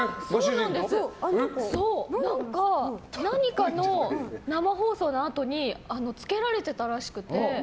何か、何かの生放送のあとにつけられてたらしくて。